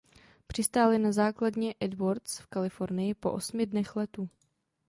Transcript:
Přistáli na základně Edwards v Kalifornii po osmi dnech letu.